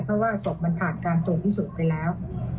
เพราะว่าศพมันผ่านการตรวจพิสูจน์ไปแล้ว